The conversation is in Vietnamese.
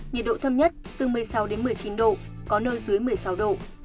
nhiệt độ thấp nhất từ một mươi sáu một mươi chín độ có nơi dưới một mươi sáu độ